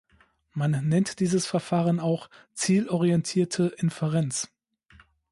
Man nennt dieses Verfahren auch "zielorientierte Inferenz".